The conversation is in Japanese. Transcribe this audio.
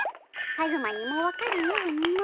カズマにも分かるようにの。